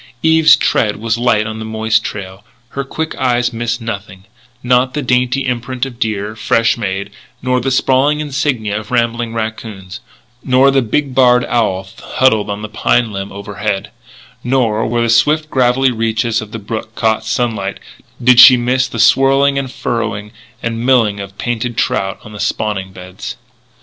Eve's tread was light on the moist trail; her quick eyes missed nothing not the dainty imprint of deer, fresh made, nor the sprawling insignia of rambling raccoons nor the big barred owl huddled on a pine limb overhead, nor, where the swift gravelly reaches of the brook caught sunlight, did she miss the swirl and furrowing and milling of painted trout on the spawning beds.